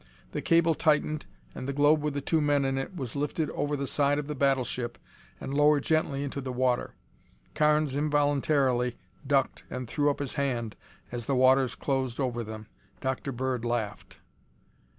The cable tightened and the globe with the two men in it was lifted over the side of the battleship and lowered gently into the water. Carnes involuntarily ducked and threw up his hand as the waters closed over them. Dr. Bird laughed.